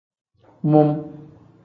Mum.